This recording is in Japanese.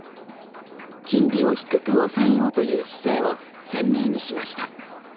金利を低く抑えようという姿勢を鮮明にしました。